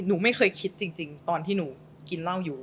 หนูไม่เคยคิดจริงตอนที่หนูกินเหล้าอยู่